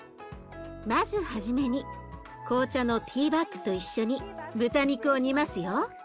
まず始めに紅茶のティーバッグと一緒に豚肉を煮ますよ。